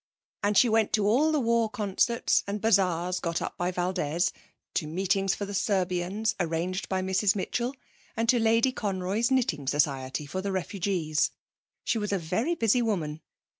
And she went to all the war concerts and bazaars got up by Valdez, to meetings for the Serbians arranged by Mrs Mitchell and to Lady Conroy's Knitting Society for the Refugees. She was a very busy woman.